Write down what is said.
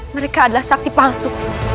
mereka adalah saksi palsu